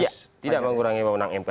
iya tidak mengurangi wewenang mk